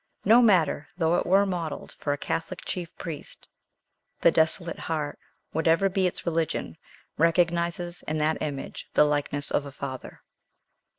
No matter though it were modelled for a Catholic chief priest, the desolate heart, whatever be its religion, recognizes in that image the likeness of a father.